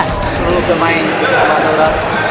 semoga kemahin untuk madura